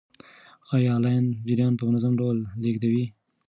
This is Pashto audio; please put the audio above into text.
آیا لین جریان په منظم ډول لیږدوي؟